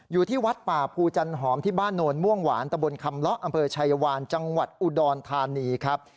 อยู่ที่วัดป่าภูจันหอมที่บ้านโนนม่วงหวานตะบนคำเลาะอำเภอชายวานจังหวัดอุดรธานีครับ